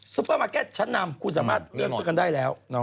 เปอร์มาร์เก็ตชั้นนำคุณสามารถเลือกซื้อกันได้แล้ว